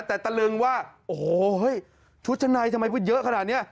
แต่ตะลึงว่าโอ้โหเฮ้ยชุดชั้นในทำไมพูดเยอะขนาดนี้